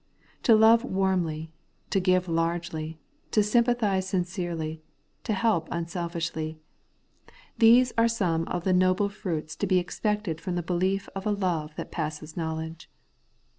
To love warmly, to give largely, to sympathize sincerely, to help unselfishly ; these are some of the noble fruits to be expected from the belief of a love that passeth knowledge.